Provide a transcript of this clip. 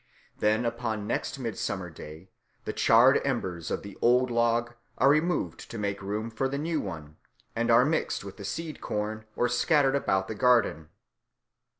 Then upon next Midsummer Day the charred embers of the old log are removed to make room for the new one, and are mixed with the seed corn or scattered about the garden.